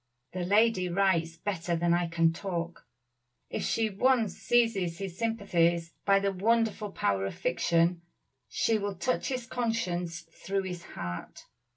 The lady writes better than I can talk. If she once seizes his sympathies by the wonderful power of fiction, she will touch his conscience through his heart.